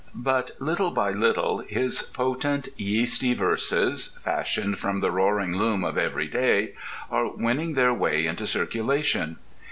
But little by little his potent, yeasty verses, fashioned from the roaring loom of every day, are winning their way into circulation.